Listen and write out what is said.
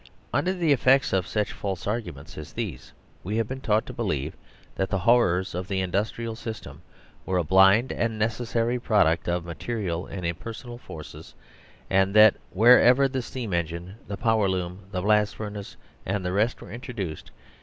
Under the effect of such false arguments as these we have been taught to be lieve that the horrors of the Industrial System were a blind and necessary product of material and imperson al forces, and that wherever the steam engine, the pow er loom, the blast furnace and the rest were introduc ed.